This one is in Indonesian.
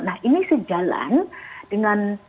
nah ini sejalan dengan